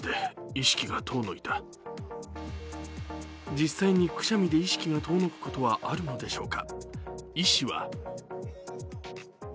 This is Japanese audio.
実際にくしゃみで意識が遠のくことはあるのでしょうか。